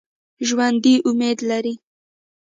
ژوندي امید لري